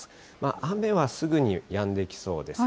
雨はすぐにやんできそうです。